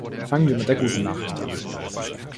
Fangen wir mit der guten Nachricht an.